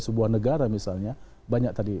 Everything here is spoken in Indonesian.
sebuah negara misalnya banyak tadi